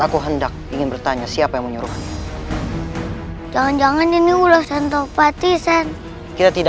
kepada surawi sesa